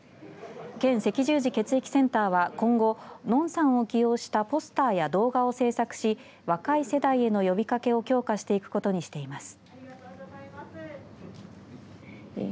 県赤十字血液センターは今後、のんさんを起用したポスターや動画を制作し若い世代への呼びかけを強化していくことにしています。